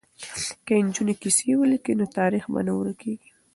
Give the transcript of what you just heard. که نجونې کیسې ولیکي نو تاریخ به نه ورکيږي.